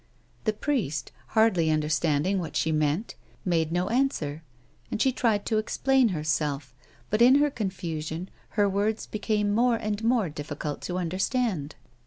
The priest, hardly understanding what she meant, made no answer, and she tried to explain herself, but, in her confusion, her words became more and more difficult to understand.